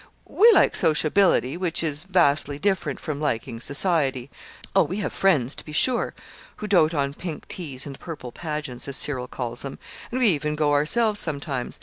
We like sociability, which is vastly different from liking Society. Oh, we have friends, to be sure, who dote on 'pink teas and purple pageants,' as Cyril calls them; and we even go ourselves sometimes.